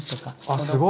あすごい！